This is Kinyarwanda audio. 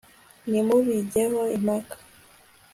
nimubijyeho impaka